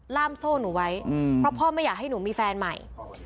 ล่ามโซ่หนูไว้เพราะพ่อไม่อยากให้หนูมีแฟนใหม่